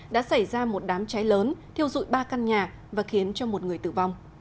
đã xảy ra một đám cháy lớn thiêu dụi ba căn nhà và khiến cho một người tử vong